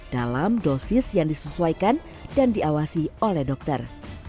dalam dosis yang disesuaikan dan diawasi oleh dokter